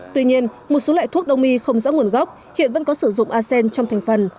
tuy nhiên một số loại thuốc đông y không rõ nguồn gốc hiện vẫn có sử dụng asean trong thành phần